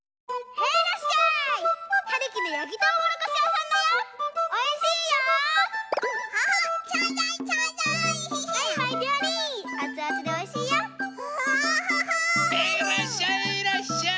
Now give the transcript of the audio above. ヘイいらっしゃいいらっしゃい！